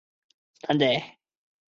雷讷维勒人口变化图示